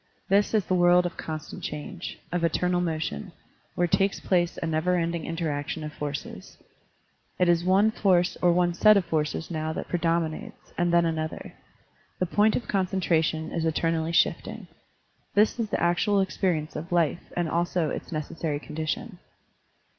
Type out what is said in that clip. This is the world of constant change, of eternal motion, where takes place a never ending interaction of forces. It is one force or one set of forces now that predomi nates, and then another. The point of concen tration is eternally shifting. This is the actual experience of life and also its necessary condition.